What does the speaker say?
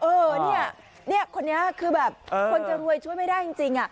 เออเนี่ยคนนี้คือแบบคนจะรวยช่วยไม่ได้จริง